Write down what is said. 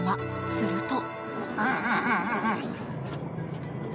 すると。